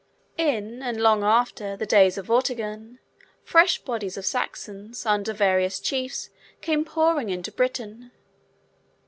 In, and long after, the days of Vortigern, fresh bodies of Saxons, under various chiefs, came pouring into Britain.